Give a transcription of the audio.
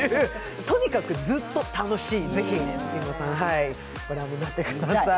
とにかくずっと楽しい、ぜひ皆さんご覧になってください。